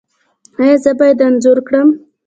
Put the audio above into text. ایا زه باید انځور کړم؟